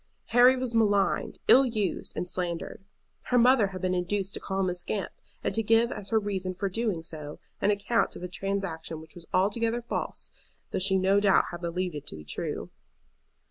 Harry was maligned, ill used, and slandered. Her mother had been induced to call him a scamp, and to give as her reason for doing so an account of a transaction which was altogether false, though she no doubt had believed it to be true.